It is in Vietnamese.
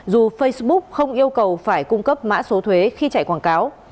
dù facebook không yêu cầu phải cung cấp mã số thuế khi chạy quảng cáo